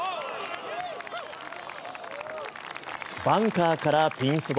バンカーからピンそば